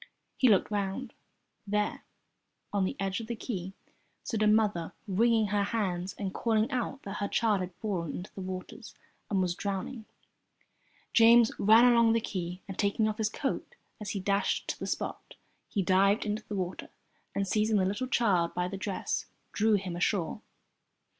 He looked round. There, on the edge of the quay, stood a mother wringing her hands and calling out that her child had fallen into the water and was drowning. James ran along the quay, and taking off his coat as he dashed to the spot, he dived into the water and, seizing the little child by the dress, drew him ashore.